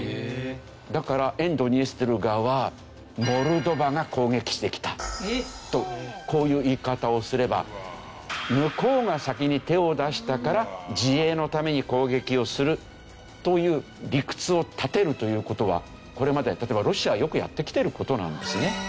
だから沿ドニエストル側は「モルドバが攻撃してきた」とこういう言い方をすれば「向こうが先に手を出したから自衛のために攻撃をする」という理屈を立てるという事はこれまで例えばロシアはよくやってきてる事なんですね。